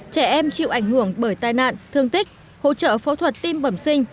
trẻ em chịu ảnh hưởng bởi tai nạn thương tích hỗ trợ phẫu thuật tim bẩm sinh